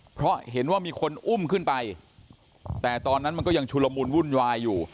เพราะเห็นว่ามีคนอุ้มขึ้นไปแต่ตอนนั้นมันก็ยังชุลมุนวุ่นวายอยู่